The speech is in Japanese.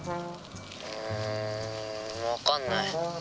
うんわかんない。